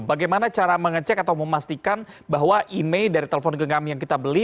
bagaimana cara mengecek atau memastikan bahwa email dari telepon genggam yang kita beli